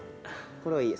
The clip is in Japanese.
これはいいよ。